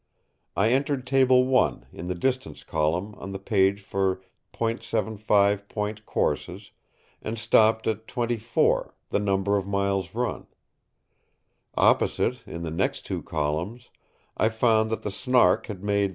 I entered Table I, in the distance column, on the page for ¾ point courses, and stopped at 24, the number of miles run. Opposite, in the next two columns, I found that the Snark had made 3.